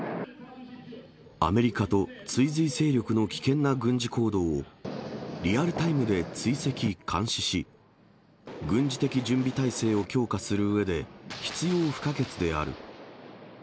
アメリカと追随勢力の危険な軍事行動を、リアルタイムで追跡、監視し、軍事的準備態勢を強化するうえで、必要不可欠である。